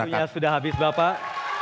waktunya sudah habis bapak